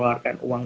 supaya agak hitam